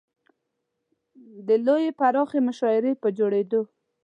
د لویې پراخې مشاعرې پر جوړېدو.